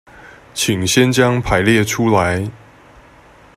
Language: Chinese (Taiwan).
請先將排列出來